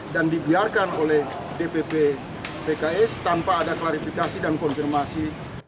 dan dibiarkan oleh dpp pks tanpa ada klarifikasi dan konfirmasi